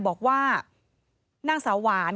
บอกว่านางสาวหวาน